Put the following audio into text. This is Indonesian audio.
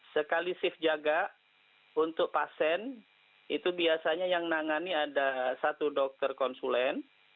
sekali shift jaga untuk pasien itu biasanya yang nangani ada satu dokter konsulen